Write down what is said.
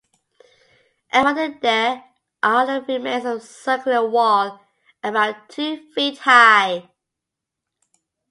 Around it there are the remains of a circular wall about two feet high.